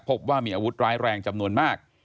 พบว่ามีอาวุธร้ายแรงจำนวนมาก